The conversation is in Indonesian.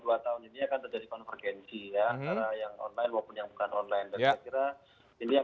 dua tahun ini akan terjadi konvergensi ya